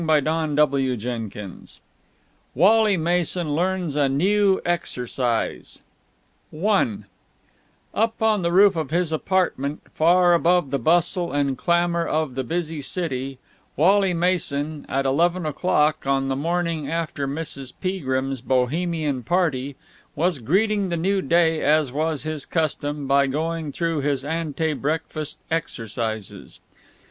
CHAPTER XXI WALLY MASON LEARNS A NEW EXERCISE I Up on the roof of his apartment, far above the bustle and clamour of the busy city, Wally Mason, at eleven o'clock on the morning after Mrs. Peagrim's Bohemian party, was greeting the new day, as was his custom, by going through his ante breakfast exercises.